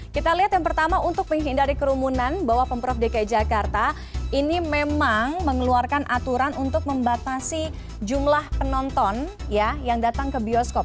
kita lihat yang pertama untuk menghindari kerumunan bahwa pemprov dki jakarta ini memang mengeluarkan aturan untuk membatasi jumlah penonton yang datang ke bioskop